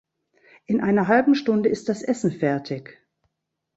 In einer halben Stunde ist das Essen fertig.